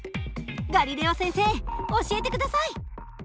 ガリレオ先生教えて下さい！